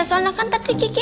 soalnya kan tadi kiki